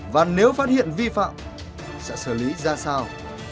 và nếu phát hiện vi phạm sẽ xử lý ra sao